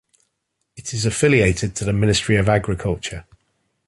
It is affiliated to the Ministry of Agriculture.